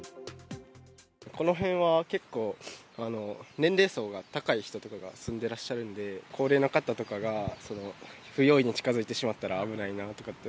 この辺は結構、年齢層が高い人とかが住んでらっしゃるので、高齢の方とかが不用意に近づいてしまったら、危ないなとかってい